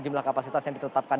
jumlah kapasitas yang ditetapkan